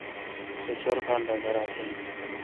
سو چور کال دا دیراتھ این۔